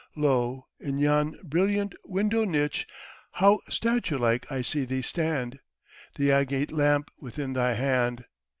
Lo! in yon brilliant window niche How statue like I see thee stand, The agate lamp within thy hand!